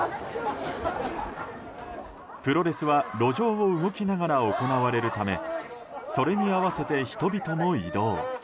プロレスは路上を動きながら行われるためそれに合わせて人々も移動。